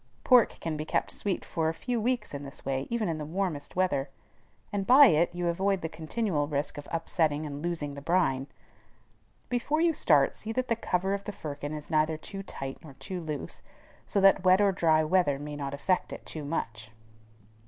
Pork can be kept sweet for a few weeks in this way, even in the warmest weather; and by it you avoid the continual risk of upsetting and losing the brine. Before you start, see that the cover of the firkin is neither too tight nor too loose, so that wet or dry weather may not affect it too much.